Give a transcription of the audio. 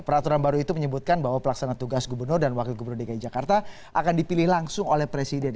peraturan baru itu menyebutkan bahwa pelaksana tugas gubernur dan wakil gubernur dki jakarta akan dipilih langsung oleh presiden